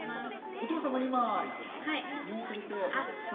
お父様、今、入院されて。